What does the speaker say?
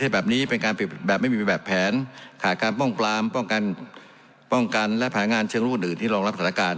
แบบนี้เป็นการปิดแบบไม่มีแบบแผนขาดการป้องปรามป้องกันป้องกันและแผนงานเชิงรูปอื่นที่รองรับสถานการณ์